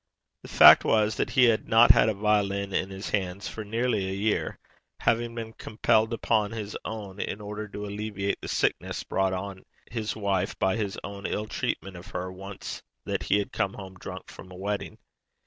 The fact was that he had not had a violin in his hands for nearly a year, having been compelled to pawn his own in order to alleviate the sickness brought on his wife by his own ill treatment of her, once that he came home drunk from a wedding.